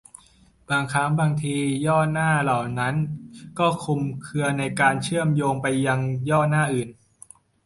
บางครั้งบางที ย่อหน้าเหล่านี้ก็คลุมเครือในการเชื่อมโยงไปยังย่อหน้าอื่น